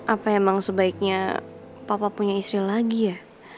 apa emang sebaiknya papa punya istri lagi ya